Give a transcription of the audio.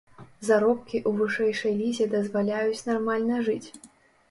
Заробкі ў вышэйшай лізе дазваляюць нармальна жыць.